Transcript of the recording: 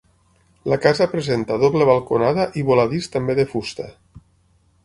La casa presenta doble balconada i voladís també de fusta.